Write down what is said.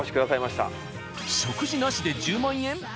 食事なしで１０万円？